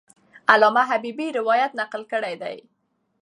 علامه حبیبي روایت نقل کړی دی.